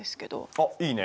あっいいね。